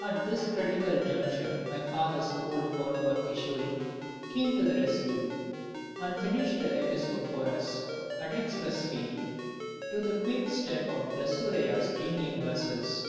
At this critical juncture my father's old follower Kishori came to the rescue, and finished the episode for us, at express speed, to the quickstep of Dasuraya's jingling verses.